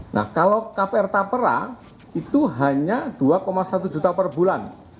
nah kalau kpr tapera itu hanya dua satu juta per bulan